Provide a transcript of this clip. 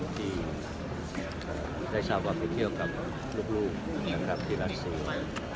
ที่ได้สามารถไปเที่ยวกับลูกนะครับที่รักษี